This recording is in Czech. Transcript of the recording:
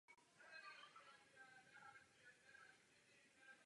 Jejich ruiny přetrvaly do dnešních dní.